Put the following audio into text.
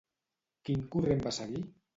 Quin corrent va seguir?